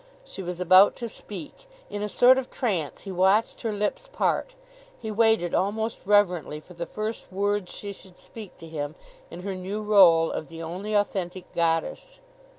She was about to speak. In a sort of trance he watched her lips part. He waited almost reverently for the first words she should speak to him in her new role of the only authentic goddess.